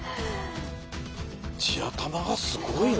地頭がすごいな！